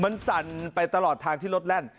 มันสั่นไปตลอดทางที่รถแล่น